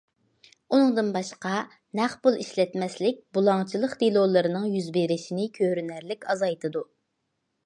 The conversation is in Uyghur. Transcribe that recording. ئۇنىڭدىن باشقا، نەق پۇل ئىشلەتمەسلىك بۇلاڭچىلىق دېلولىرىنىڭ يۈز بېرىشىنى كۆرۈنەرلىك ئازايتىدۇ.